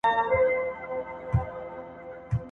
په دوی کي به هم ستر مذهبي مخور